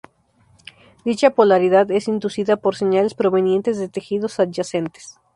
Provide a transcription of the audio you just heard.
Dicha polaridad es inducida por señales provenientes de tejidos adyacentes.